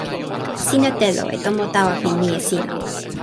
sina telo e tomo tawa pi mije sina.